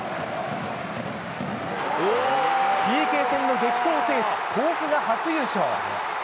ＰＫ戦の激闘を制し、甲府が初優勝。